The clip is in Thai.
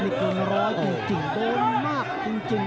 ในกลุ่มรอยโดนมากจริง